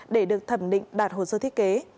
để được thẩm định đạt hồ sơ thiết kế